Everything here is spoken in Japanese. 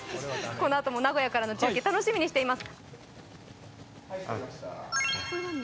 このあとも名古屋からの中継、楽しみにしています。